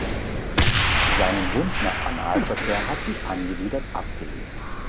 Seinen Wunsch nach Analverkehr hat sie angewidert abgelehnt.